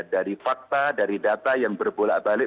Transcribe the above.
dari fakta dari data yang berbolak balik